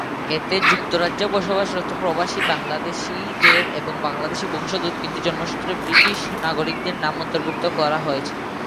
এতে যুক্তরাজ্যে বসবাসরত প্রবাসী বাংলাদেশীদের এবং বাংলাদেশী বংশোদ্ভুত কিন্তু জন্মসূত্রে ব্রিটিশ নাগরিকদের নাম অন্তর্ভুক্ত করা হয়েছে।